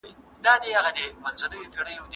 د توکو تولید د پام وړ زیاتوالی موندلی و.